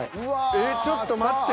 えっちょっと待って。